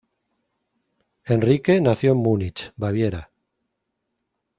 Enrique nació en Múnich, Baviera.